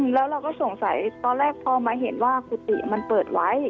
แล้วเราก็สงสัยตอนแรกพอมาเห็นว่ากุฏิมันเปิดไว้